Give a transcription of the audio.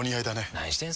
何してんすか。